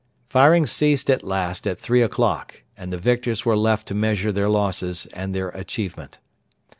Firing ceased at last at three o'clock, and the victors were left to measure their losses and their achievement.